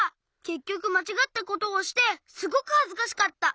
けっきょくまちがったことをしてすごくはずかしかった。